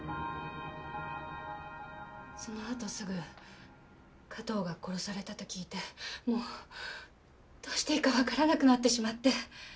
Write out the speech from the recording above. そのあとすぐ加藤が殺されたと聞いてもうどうしていいかわからなくなってしまって。